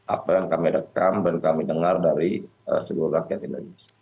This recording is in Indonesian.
apa yang kami rekam dan kami dengar dari seluruh rakyat indonesia